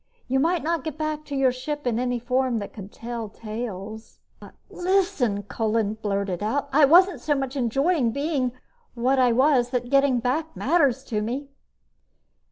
You might not get back to your ship in any form that could tell tales." "Listen!" Kolin blurted out. "I wasn't so much enjoying being what I was that getting back matters to me!"